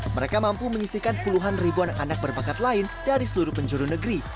mereka mampu menyisihkan puluhan ribuan anak berbakat lain dari seluruh penjuru negeri